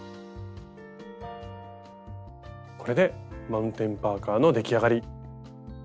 これでマウンテンパーカーの出来上がり！